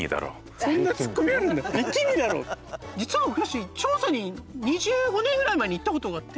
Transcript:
あれは実は昔長沙に２５年ぐらい前に行ったことがあって。